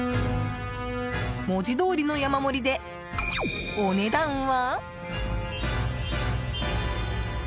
文字どおりの山盛りでお値段は？